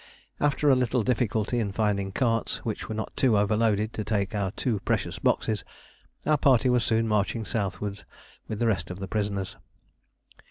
After a little difficulty in finding carts which were not too overloaded to take our two precious boxes, our party was soon marching southwards with the rest of the prisoners.